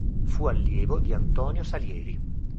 Fu allievo di Antonio Salieri.